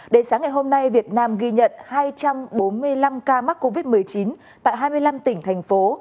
đến sáng ngày hôm nay việt nam ghi nhận hai trăm bốn mươi năm ca mắc covid một mươi chín tại hai mươi năm tỉnh thành phố